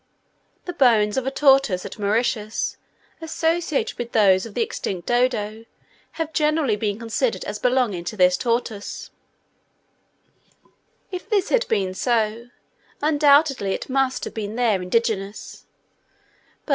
The bones of a tortoise at Mauritius, associated with those of the extinct Dodo, have generally been considered as belonging to this tortoise; if this had been so, undoubtedly it must have been there indigenous; but M.